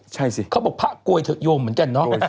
ใช่สิเขาบอกพระโกยเถอะโยมเหมือนกันเนาะ